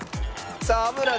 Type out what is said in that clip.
さあ油で。